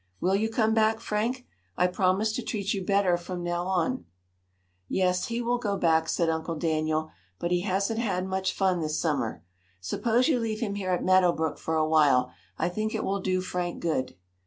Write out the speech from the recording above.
Will you come back, Frank? I promise to treat you better from now on." "Yes, he will go back," said Uncle Daniel, "but he hasn't had much fun this summer. Suppose you leave him here at Meadow Brook for a while. I think it will do Frank good."